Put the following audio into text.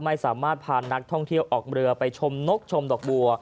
ไม่สามารถพานักท่องเที่ยวออกเรือไปชมนกชมดอกบัว